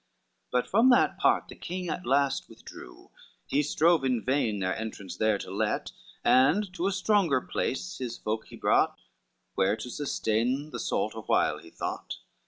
But from that part the king at last withdrew, He strove in vain their entrance there to let, And to a stronger place his folk he brought, Where to sustain the assault awhile he thought.